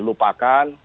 tidak boleh lupakan